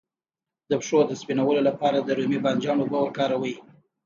د پښو د سپینولو لپاره د رومي بانجان اوبه وکاروئ